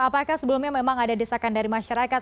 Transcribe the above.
apakah sebelumnya memang ada desakan dari masyarakat